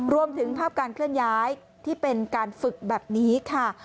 รวมถึงภาพการเคลื่อนย้ายที่เป็นการฝึกแบบนี้ค่ะ